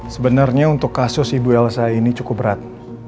sebenarnya untuk kasus ibu elsa ini cukup berat